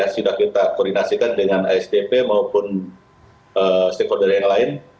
sudah kita koordinasikan dengan asdp maupun stakeholder yang lain